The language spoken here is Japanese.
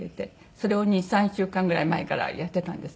それを２３週間ぐらい前からやってたんですね。